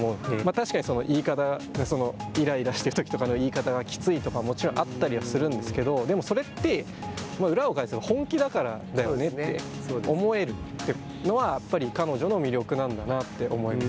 確かに言い方イライラしているときとかの言い方がきついとかもちろんあったりはするんですけど、でも、それって裏を返せば本気だからだよねって思えるのは彼女の魅力なんだなって思います。